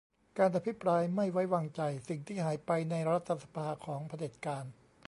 การอภิปรายไม่ไว้วางใจ : สิ่งที่หายไปในรัฐสภา ของเผด็จการ